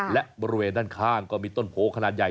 และบริเวณด้านข้างก็มีต้นโพขนาดใหญ่